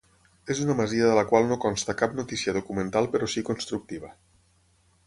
És una masia de la qual no consta cap notícia documental però si constructiva.